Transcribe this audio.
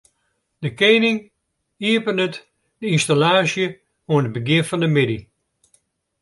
De kening iepenet de ynstallaasje oan it begjin fan de middei.